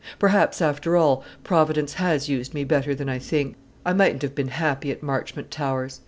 Perhaps, after all, Providence has used me better than I think. I mightn't have been happy at Marchmont Towers.